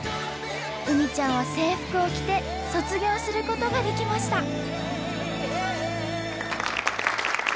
うみちゃんは制服を着て卒業することができました。